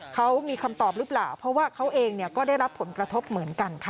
เขามีคำตอบหรือเปล่าเพราะว่าเขาเองก็ได้รับผลกระทบเหมือนกันค่ะ